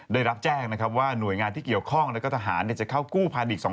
ได้รับแจ้งนะครับว่าหน่วยงานที่เกี่ยวข้องแล้วก็ทหารจะเข้ากู้พันธุ์อีก